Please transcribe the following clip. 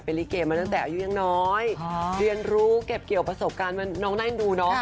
ลิเกมาตั้งแต่อายุยังน้อยเรียนรู้เก็บเกี่ยวประสบการณ์มาน้องน่าเอ็นดูเนาะ